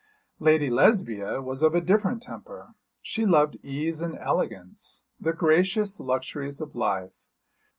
Lady Lesbia was of a different temper. She loved ease and elegance, the gracious luxuries of life.